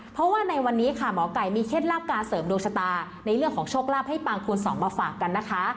เพราะว่าในวันนี้ค่ะหมอไก่มีเคล็ดลับการเสริมดวงชะตาในเรื่องของโชคลาภให้ปังคูณสองมาฝากกันนะคะ